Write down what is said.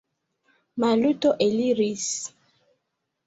Maluto eliris.